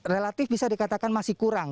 relatif bisa dikatakan masih kurang